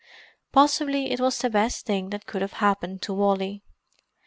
Possibly it was the best thing that could have happened to Wally.